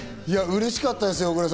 うれしかったですよ。